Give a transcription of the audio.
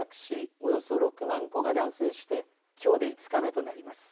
およそ６万戸が断水してきょうで５日目となります。